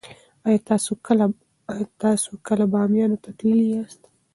ایا تاسې کله بامیانو ته تللي یاست؟